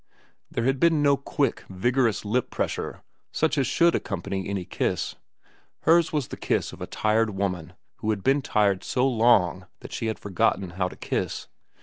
There had been no quick, vigorous lip pressure such as should accompany any kiss. Hers was the kiss of a tired woman who had been tired so long that she had forgotten how to kiss.